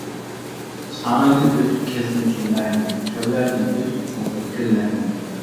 ساراي دىن ئۆتۈپ كەزدىم چۆللەرنى، چۆللەردىن ئۆتۈپ چوڭقۇر كۆللەرنى.